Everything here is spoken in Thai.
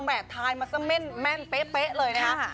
แหมทายมาสะเม่นแม่นเป๊ะเลยนะครับ